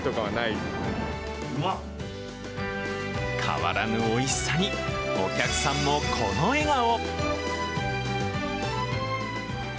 変わらぬおいしさにお客さんもこの笑顔。